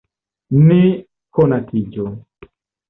Ni konatiĝu.